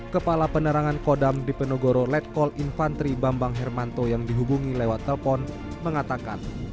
kepala penerangan kodam dipenogoro letkol infantri bambang hermanto yang dihubungi lewat telpon mengatakan